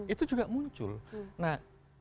itu juga muncul nah